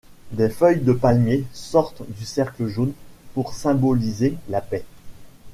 Des feuilles de palmier sortent du cercle jaune pour symboliser la paix.